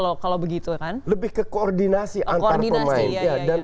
lebih ke koordinasi antar pemain